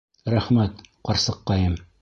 Рәхмәт, ҡарсыҡҡайым.